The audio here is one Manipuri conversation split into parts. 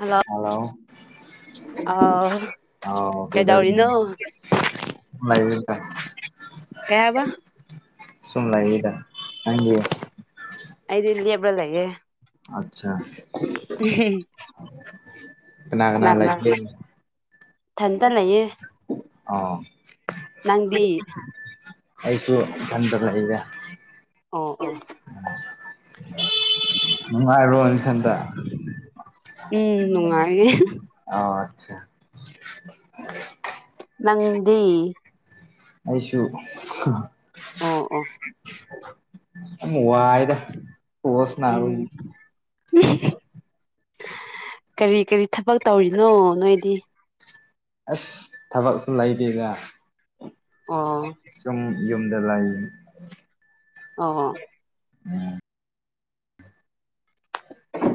ꯍꯜꯂꯣ ꯍꯂꯣ ꯑꯥꯎ ꯑꯧ ꯀꯩꯗꯧ [inaudible] ꯀꯩꯗꯧꯔꯤꯅꯣ ꯁꯨꯝ ꯂꯩꯔꯤꯗ꯫ ꯀꯩ ꯍꯥꯏꯕ꯫ ꯁꯨꯝ ꯂꯩꯔꯤꯗ ꯅꯪꯗꯤ꯫ ꯑꯩꯗꯤ ꯂꯦꯞꯔ ꯂꯩꯌꯦ꯫ ꯑꯠꯁꯥ ꯀꯅꯥ ꯀꯅꯥ ꯂꯩꯒꯦ꯫ ꯏꯊꯟꯇ ꯂꯩꯌꯦ꯫ ꯑꯣ꯫ ꯅꯪꯗꯤ꯫ ꯑꯩꯁꯨ ꯏꯊꯟꯗ ꯂꯩꯗ꯫ ꯑꯣ ꯑꯣ ꯅꯨꯡꯉꯥꯏꯕ꯭ꯔꯣ ꯅꯊꯟꯗ꯫ ꯎꯝ ꯅꯨꯡꯉꯥꯏꯌꯦ ꯑꯣ ꯑꯠꯁꯥ꯫ ꯅꯪꯗꯤ꯫ ꯑꯩꯁꯨ ꯑꯣ ꯑꯣ [unintelligible] ꯋꯥꯏꯗ꯫ ꯕꯣꯜ ꯎꯝ꯫ ꯁꯥꯟꯅꯕꯒꯤ ꯀꯔꯤ ꯀꯔꯤ ꯊꯕꯛ ꯇꯧꯔꯤꯅꯣ ꯅꯣꯏꯗꯤ꯫ ꯑꯁ ꯊꯕꯛꯁꯨ ꯂꯩꯇꯦꯗ꯫ ꯑꯣ꯫ ꯁꯨꯝ ꯌꯨꯝꯗ ꯂꯩ꯫ ꯑꯣ꯫ ꯎꯝ꯫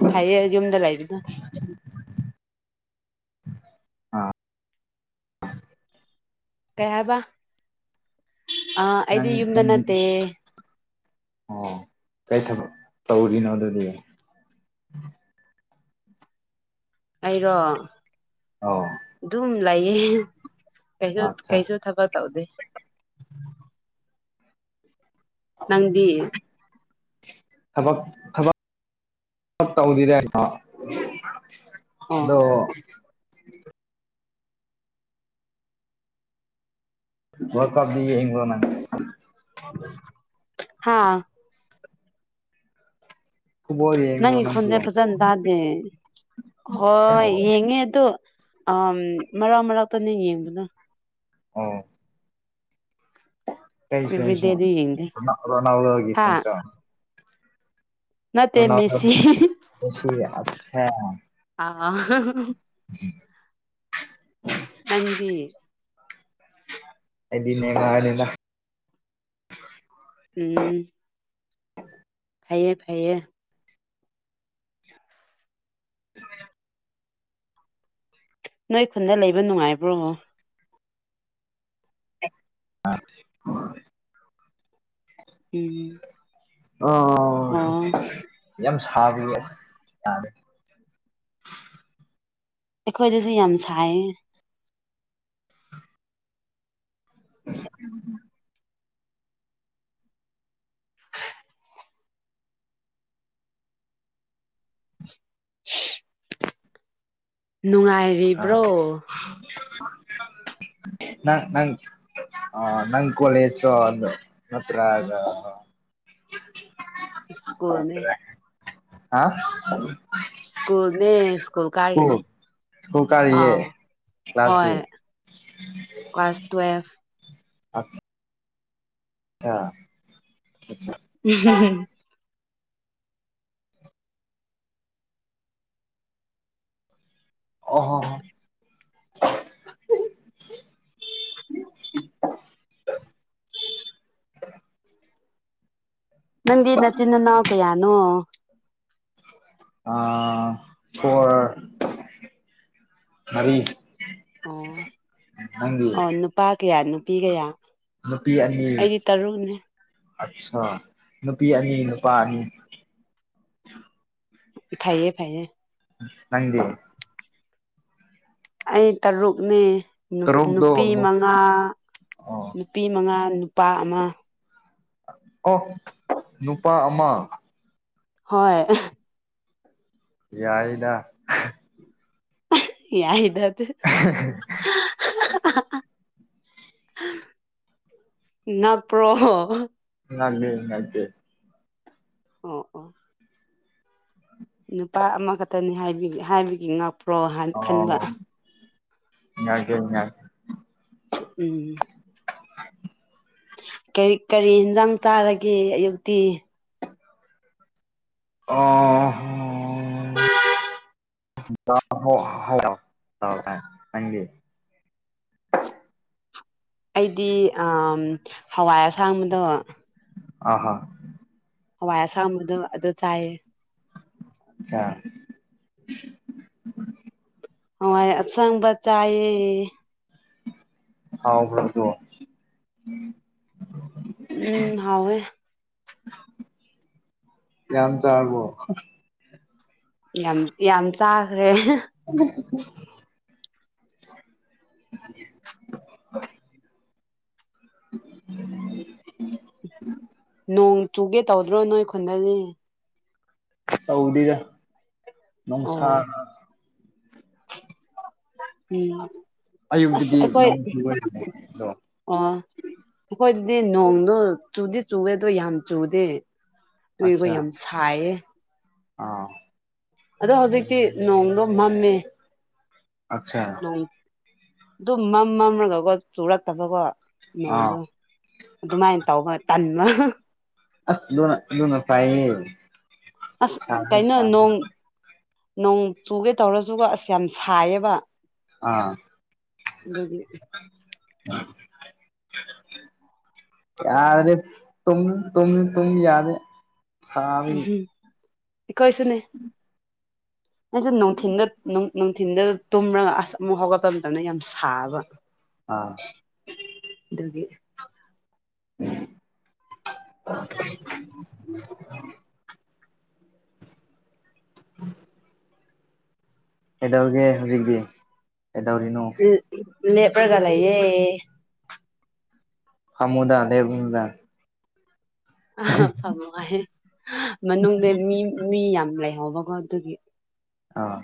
ꯐꯩꯌꯦ ꯌꯨꯝꯗ ꯂꯩꯕꯅ꯫ [unintelligible] [unintelligible] ꯀꯩ ꯍꯥꯏꯕ ꯑꯥ ꯑꯩꯗꯤ ꯅꯪ ꯌꯨꯝꯗ ꯅꯪꯗꯤ ꯅꯠꯇꯦ ꯑꯣ ꯀꯩ ꯊꯕꯛ ꯇꯧꯔꯤꯅꯣ ꯑꯗꯨꯗꯤ ꯑꯩꯔꯣ ꯑꯣ ꯑꯗꯨꯝ ꯂꯩꯌꯦ ꯀꯩꯁꯨ ꯑꯠꯆꯥ ꯀꯩꯁꯨ ꯊꯕꯛ ꯇꯧꯗꯦ [inaudible] ꯅꯪꯗꯤ ꯊꯕꯛ ꯊꯕꯛ ꯊꯕꯛ ꯇꯧꯗꯤꯗꯥꯏꯀꯣ ꯑꯣ ꯑꯗꯣ ꯒꯣꯜ ꯆꯟꯅꯤꯌꯦ ꯏꯪꯂꯦꯟꯅ ꯍꯥꯥ ꯐꯨꯠꯕꯣꯜ ꯌꯦꯡꯕ꯭ꯔꯣ ꯅꯪꯒꯤ ꯅꯪꯁꯨ ꯈꯣꯟꯖꯦꯜ ꯐꯖꯅ ꯇꯥꯗꯦ ꯍꯣꯏ ꯑꯣ ꯌꯦꯡꯉꯦ ꯑꯗꯨ ꯑꯝ ꯃꯔꯛ ꯃꯔꯛꯇꯅꯦ ꯌꯦꯡꯕꯗꯣ ꯑꯣ ꯀꯩ ꯐꯦꯟꯁꯅꯣ ꯑꯦꯕ꯭ꯔꯤꯗꯦꯗꯤ ꯌꯦꯡꯗꯦ ꯔꯣꯅꯥꯜ ꯔꯣꯅꯥꯜꯗꯣꯒꯤ ꯍꯥ ꯐꯦꯟꯁꯔꯣ ꯅꯠꯇꯦ ꯃꯦꯁꯤ ꯔꯣꯅꯥꯜꯗꯣꯒꯤ ꯃꯦꯁꯤꯒꯤ ꯑꯠꯁꯥ ꯑꯥ [inaudible] ꯅꯪꯗꯤ ꯑꯩꯗꯤ ꯅꯦꯒꯥꯏꯔꯅꯤꯗ ꯎꯝ ꯐꯩꯌꯦ ꯐꯩꯌꯦ [unintelligible] ꯅꯣꯏ ꯈꯨꯟꯗ ꯂꯩꯕ ꯅꯨꯡꯉꯥꯏꯕ꯭ꯔꯣ ꯑꯥ ꯎꯝ ꯑꯣ ꯌꯥꯝ ꯁꯥꯕꯒꯤ ꯑꯁ ꯌꯥꯗ꯭ꯔꯦ ꯑꯩꯈꯣꯏꯗꯁꯨ ꯌꯥꯝ ꯁꯥꯏꯌꯦ [unintelligible] ꯑꯥ ꯅꯨꯡꯉꯥꯏꯔꯤꯕ꯭ꯔꯣ [unintelligible] ꯅꯪ ꯅꯪ ꯑꯥ ꯅꯪ ꯀꯣꯂꯦꯖꯔꯣ ꯑꯗꯣ ꯅꯠꯇ꯭ꯔꯒ ꯁ꯭ꯀꯨꯜꯅꯦ ꯑꯥ ꯁ꯭ꯀꯨꯜꯅꯦ ꯁ꯭ꯀꯨꯜ ꯀꯥꯔꯤꯅꯦ ꯁ꯭ꯀꯨꯜ ꯀꯥꯔꯤꯌꯦ ꯑꯥ ꯀ꯭ꯂꯥꯁꯗꯤ ꯍꯣꯏ ꯀ꯭ꯂꯥꯁ ꯇꯨꯋꯦꯜꯐ [unintelligible] [unintelligible] ꯎꯝ ꯍꯨꯝ ꯍꯨꯝ ꯑꯣ ꯍꯣ ꯍꯣ ꯅꯪꯗꯤ ꯅꯆꯤꯟ ꯅꯅꯥꯎ ꯀꯌꯥꯅꯣ ꯑꯥ ꯐꯣꯔ ꯃꯔꯤ ꯑꯣ ꯅꯪꯒꯤ ꯑꯣ ꯅꯨꯄꯥ ꯀꯌꯥ ꯅꯨꯄꯤ ꯀꯌꯥ ꯅꯨꯄꯤ ꯑꯅꯤ ꯑꯩꯗꯤ ꯇꯔꯨꯛꯅꯦ ꯑꯠꯁꯥ ꯅꯨꯄꯤ ꯑꯅꯤ ꯅꯨꯄꯥ ꯑꯅꯤ ꯐꯩꯌꯦ ꯐꯩꯌꯦ ꯅꯪꯗꯤ ꯑꯩ ꯇꯔꯨꯛꯅꯦ ꯇꯔꯨꯛꯇꯣ ꯅꯨꯄꯤ ꯃꯉꯥ ꯑꯣ ꯅꯨꯄꯤ ꯃꯉꯥ ꯅꯨꯄꯥ ꯑꯃ ꯀꯣꯐ ꯅꯨꯄꯥ ꯑꯃ ꯍꯣꯏ ꯌꯥꯏꯗ ꯌꯥꯏꯗ ꯑꯗꯨ [unintelligible] ꯉꯥꯛ ꯄ꯭ꯔꯣ [unintelligible] ꯑꯣ ꯑꯣ ꯅꯨꯄꯥ ꯑꯃꯈꯛꯇꯅꯤ ꯍꯥꯏꯕꯒꯤ ꯍꯥꯏꯕꯒꯤ ꯉꯥꯛ ꯑꯣ [unintelligible] ꯎꯝ ꯀꯔꯤ ꯀꯔꯤ ꯍꯤꯟꯖꯥꯡ ꯆꯥꯔꯒꯦ ꯑꯌꯨꯛꯇꯤ ꯑꯥ [unintelligible] ꯊꯥꯎ ꯆꯥꯏ ꯅꯪꯗꯤ ꯑꯩꯗꯤ ꯑꯥ ꯍꯋꯥꯏ ꯑꯁꯥꯡꯕꯗꯣ ꯑꯍꯥ ꯍꯋꯥꯏ ꯑꯁꯥꯡꯕꯗꯣ ꯑꯗꯨ ꯆꯥꯏꯌꯦ ꯆꯥ ꯍꯋꯥꯏ ꯑꯁꯪꯕ ꯆꯥꯏꯌꯦ ꯍꯥꯎꯕ꯭ꯔꯥ ꯑꯗꯣ ꯎꯝ ꯍꯥꯎꯋꯦ ꯌꯥꯝ ꯆꯔꯥꯕꯣ ꯌꯥꯝ ꯌꯥꯝ ꯆꯥꯈ꯭ꯔꯦ [unintelligible] [inaudible] ꯅꯣꯡ ꯆꯨꯒꯦ ꯇꯧꯗ꯭ꯔꯣ ꯅꯣꯏ ꯈꯨꯟꯗꯅꯤ ꯇꯧꯗꯤꯔ ꯅꯨꯡꯁꯥ ꯑꯣ ꯎꯝ ꯑꯁ ꯑꯌꯨꯛꯇꯗꯤ ꯑꯩꯈꯣꯏ ꯅꯣꯡ ꯆꯨꯕꯗꯣ ꯑꯣ ꯑꯩꯈꯣꯏꯗꯗꯤ ꯅꯣꯡꯗꯣ ꯆꯨꯗꯤ ꯆꯨꯋꯦ ꯑꯗꯣ ꯌꯥꯝ ꯆꯨꯗꯦ ꯇꯣꯏꯕ ꯑꯠꯆꯥ ꯌꯥꯝ ꯁꯥꯏꯌꯦ ꯑꯥ ꯑꯗꯣ ꯍꯧꯖꯤꯛꯇꯤ ꯅꯣꯡꯗꯣ ꯃꯝꯃꯦ ꯑꯛꯁꯥ ꯑꯗꯨꯝ ꯃꯝ ꯃꯝꯔꯒꯀꯣ ꯆꯨꯔꯛꯇꯕꯀꯣ ꯑꯥ ꯅꯣꯡꯗꯣ ꯑꯗꯨꯃꯥꯏꯅ ꯇꯧꯕ ꯇꯟꯃ ꯑꯁ ꯂꯣꯅꯥ ꯂꯨꯅ ꯄꯥꯏꯍꯦ ꯑꯁ ꯀꯩꯅꯣ ꯅꯣꯡ ꯅꯣꯡ ꯆꯨꯒꯦ ꯇꯧꯔꯁꯨꯒ ꯑꯁ ꯌꯥꯝ ꯁꯥꯏꯌꯦꯕ ꯑꯥ ꯑꯗꯨꯒꯤ [inaudible] ꯌꯥꯔꯦ ꯇꯨꯝ ꯇꯨꯝ ꯇꯃꯤ ꯌꯥꯔꯦ ꯎꯝ ꯑꯩꯈ‌ꯣꯏꯁꯨꯅꯦ ꯑꯩꯁꯦ ꯅꯨꯡꯊꯤꯟꯗ ꯅꯨꯡꯊꯤꯟꯗ ꯇꯨꯝꯔꯒ ꯑꯁ ꯑꯃꯨꯛ ꯍꯧꯒꯠꯄ ꯃꯇꯝꯗ ꯌꯥꯝ ꯁꯥꯕ ꯑꯥ ꯑꯗꯨꯒꯤ [unintelligible] [unintelligible] ꯀꯩꯗꯧꯔꯤꯒ‌ꯦ ꯍꯧꯖꯤꯛꯇꯤ ꯀ‌ꯦꯗꯧꯔꯤꯅꯣ ꯂꯦꯞꯔꯒ ꯂꯩꯌꯦ ꯐꯝꯃꯨꯗ ꯂ‌ꯦꯞꯀꯅꯨꯗ ꯑ ꯐ ꯅꯨꯡꯉꯥꯏ ꯃꯅꯨꯡꯗ ꯃꯤ ꯃꯤ ꯌꯥꯝ ꯂꯩꯍꯧꯕꯀꯣ ꯑꯗꯨꯒꯤ ꯑꯥ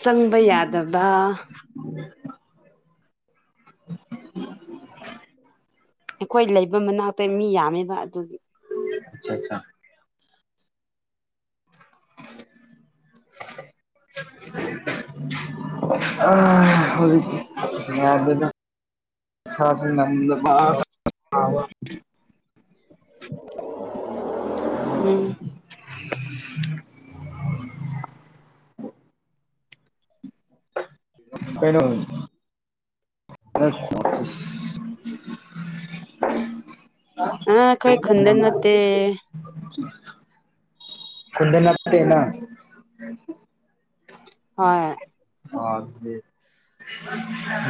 ꯆꯪꯕ ꯌꯥꯗꯕ [unintelligible] ꯑꯩꯈꯣꯏ ꯂꯩꯕ ꯃꯅꯥꯛꯇ ꯃꯤ ꯌꯥꯝꯃꯦꯕ ꯑꯗꯨꯒꯤ ꯑꯆꯥ ꯑꯆꯥ [inaudible] ꯑ ꯍꯧꯖꯤꯛ ꯌꯥꯗ‌ꯦꯗ [unintelligible] ꯎꯝ [unintelligible] ꯀꯩꯅꯣ [unintelligible] ꯑ ꯑꯩꯀꯣꯏ ꯈꯨꯟꯗ ꯅꯠꯇꯦ ꯈꯨꯟꯗ ꯅꯠꯇꯦ ꯅꯪ ꯍꯣꯏ ꯑ ꯑꯗꯨꯗꯤ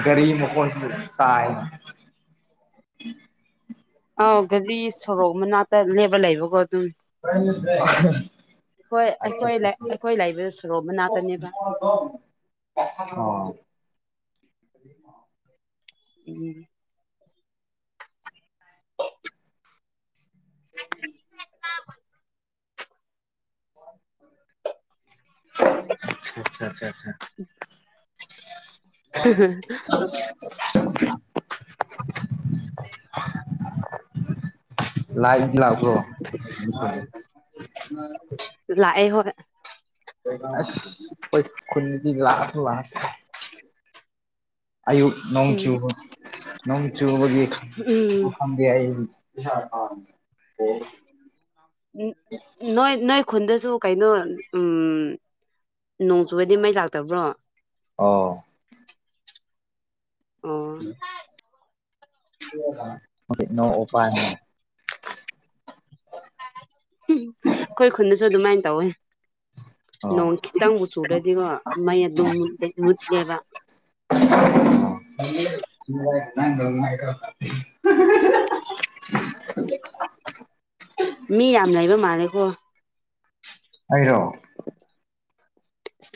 ꯒꯥꯔꯤ ꯃꯈꯣꯜ ꯒꯨꯝꯕ ꯇꯥꯏ ꯑꯧ ꯒꯥꯔꯤ ꯁꯣꯔꯣꯛ ꯃꯅꯥꯛꯇ ꯂꯦꯞꯕ ꯂꯩꯕꯀꯣ ꯑꯗꯨꯝ [unintelligible] ꯍꯣꯏ ꯑꯆꯥ ꯑꯩꯈꯣꯏ ꯑꯩꯈꯣꯏ ꯂꯩꯕ ꯁꯣꯔꯣꯛ ꯃꯅꯥꯛꯇꯅꯦꯕ ꯑ‌ꯣ [inaudible] [unintelligible] [unintelligible] ꯑꯠꯆꯥ ꯆꯥ ꯆꯥ [unintelligible] [unintelligible] ꯂꯥꯏꯠ ꯂꯛꯄ꯭ꯔꯣ ꯂꯛꯑꯦ ꯍꯣꯏ ꯑꯁ ꯑꯩꯈꯣꯏ ꯈꯨꯟꯗꯗꯤ ꯂꯥꯛꯁꯨ ꯂꯥꯛ ꯑꯌꯨꯛ ꯅꯣꯡ ꯎꯝ ꯆꯨꯕꯒꯤ ꯅꯣꯡ ꯆꯨꯕꯒꯤ ꯎꯝ [unintelligible] ꯎꯝ ꯅꯣꯏ ꯅꯣꯏ ꯈꯨꯟꯗꯁꯨ ꯀꯩꯅꯣ ꯎꯝ ꯅꯣꯡ ꯆꯨꯔꯗꯤ ꯃꯩ ꯂꯥꯛꯇꯕ꯭ꯔꯣ ꯑꯣ ꯎꯝ ꯑꯩꯈꯣꯏ ꯏꯅꯥꯎ ꯎꯄꯥꯅꯤ ꯎꯝ ꯑꯩꯈꯣꯏ ꯈꯨꯟꯗꯁꯨ ꯑꯗꯨꯃꯥꯏꯅ ꯇꯧꯋꯤ ꯑꯣ ꯅꯣꯡ ꯈꯤꯇꯪꯕꯨ ꯆꯨꯔꯗꯤꯀꯣ ꯃꯩ ꯑꯗꯨꯝ ꯃꯨꯠꯂꯦ ꯃꯨꯠꯂꯦꯕ [unintelligible] ꯃꯤ ꯌꯥꯝ ꯂꯩꯕ ꯃꯥꯜꯂꯦꯀꯣ ꯑꯩꯔꯣ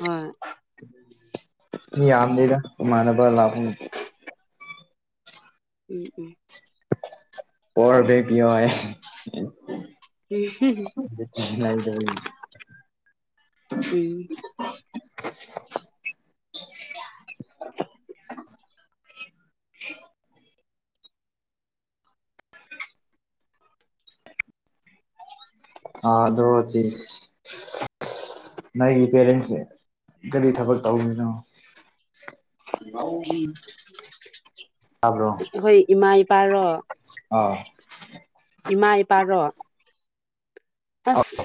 ꯍꯣꯏ ꯃꯤ ꯌꯥꯝꯗꯦꯗ ꯏꯃꯥꯟꯅꯕ ꯂꯥꯛꯄꯅꯤ ꯎꯝ ꯎꯝ ꯄꯋꯔ ꯚꯦꯡ ꯄꯤꯌꯣ ꯍꯥꯏꯌꯦ ꯎꯝ ꯑꯗꯨꯗꯤ ꯂꯥꯏꯗꯕꯅꯤ ꯎꯝ [unintelligible] [unintelligible] ꯑꯥꯗꯣꯗꯤ ꯅꯪꯒꯤ ꯄꯦꯔꯦꯟꯁꯁꯦ ꯀꯔꯤ ꯊꯕꯛ ꯇꯧꯔꯤꯅꯣ ꯃꯧꯒꯤ ꯇꯥꯕ꯭ꯔꯣ ꯑꯩꯈꯣꯏ ꯏꯃꯥ ꯏꯄꯥꯔꯣ ꯑ ꯏꯃꯥ ꯏꯄꯥꯔꯣ ꯑꯣ ꯑꯁ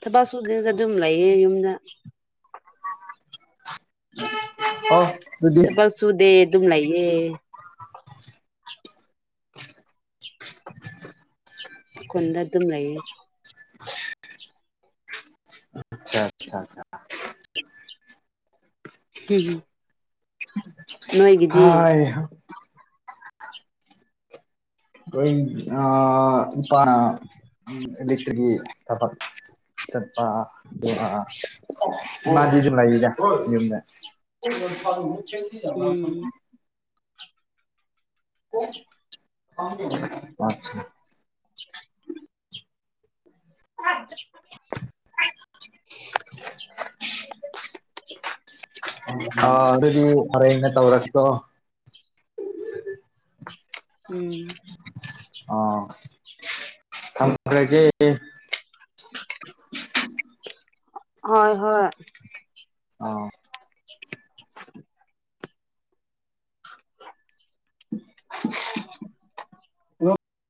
ꯊꯕꯛ ꯁꯨꯗꯦꯗ ꯑꯗꯨꯝ ꯂꯩꯌꯦ ꯌꯨꯝꯗ ꯑꯗꯨꯗꯤ ꯊꯕꯛ ꯁꯨꯗꯦ ꯑꯗꯨꯝ ꯂꯩꯌꯦ [unintelligible] ꯈꯨꯟꯗ ꯑꯗꯨꯝ ꯂꯩꯌꯦ ꯑꯆꯥ ꯑꯆꯥ ꯍꯝ ꯍꯝ ꯍꯥꯏ ꯑ ꯏꯄꯥꯅ ꯑꯦꯂꯦꯛꯇ꯭ꯔꯤꯛ ꯀꯤ ꯊꯕꯛ ꯆꯠꯄ ꯑꯥ ꯑꯥ ꯃꯥꯗꯤ ꯑꯗꯨꯝ ꯂꯩꯕꯅꯤꯗ ꯌꯨꯝꯗ ꯎꯝ [unintelligible] ꯑ [unintelligible] ꯑ ꯑꯗꯨꯗꯤ ꯍꯔꯩꯟꯒ ꯇꯧꯔꯛꯇꯣ ꯎꯝ ꯑ ꯊꯝꯈ꯭ꯔꯥꯒꯦ ꯍꯣꯏ ꯍꯣꯏ ꯑ [unintelligible]